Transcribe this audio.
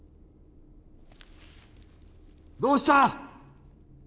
どうした！？